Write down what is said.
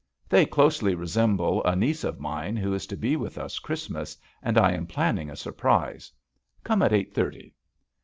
They closely resemble a niece of mine who is to be with us Christmas, and I am planning a surprise. Come at eight thirty."